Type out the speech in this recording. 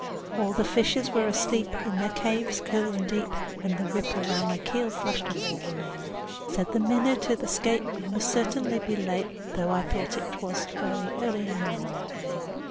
All the fishes were asleep in their caves cool and deep, When the ripple round my keel flashed a warning. Said the minnow to the skate, "We must certainly be late, Though I thought 't was very early in the morning."